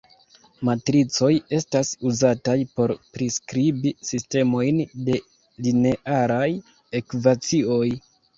Matricoj estas uzataj por priskribi sistemojn de linearaj ekvacioj.